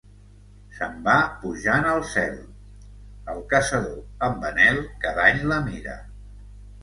Se'n va pujant al cel... El caçador, amb anhel, cada any la mira.